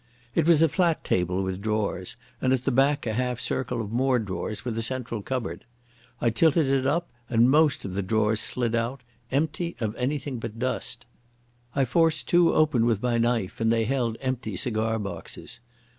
It was a flat table with drawers, and at the back a half circle of more drawers with a central cupboard. I tilted it up and most of the drawers slid out, empty of anything but dust. I forced two open with my knife and they held empty cigar boxes.